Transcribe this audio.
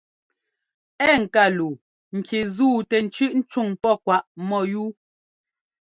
Ɛ́ ŋká luu ŋki zúu tɛ tsʉ́ꞌ cúŋ pɔ́ kwaꞌ mɔ́yúu.